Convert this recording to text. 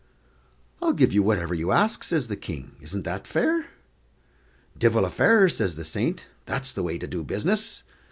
"I'll give you whatever you ask," says the King; "isn't that fair?" "Divil a fairer," says the saint, "that's the way to do business.